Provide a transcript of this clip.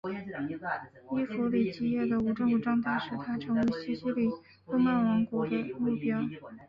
伊弗里基叶的无政府状态使它成为西西里诺曼王国的目标。